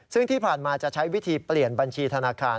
ซึ่งที่ผ่านมาจะใช้วิธีเปลี่ยนบัญชีธนาคาร